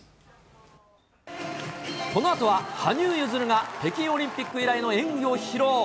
このあとは、羽生結弦が北京オリンピック以来の演技を披露。